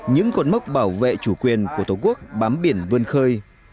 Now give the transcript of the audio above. những cột mốc bảo vệ chủ quyền của tổ quốc bám biển vươn khơi